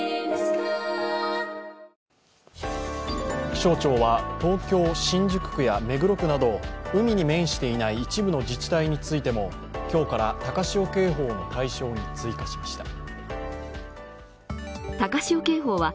気象庁は東京・新宿区や目黒区など海に面していない一部の自治体についても、今日から高潮警報の対象に追加しました。